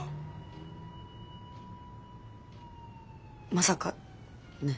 まさかね。